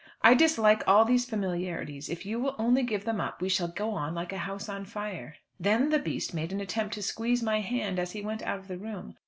"I dislike all those familiarities. If you will only give them up we shall go on like a house on fire." Then the beast made an attempt to squeeze my hand as he went out of the room.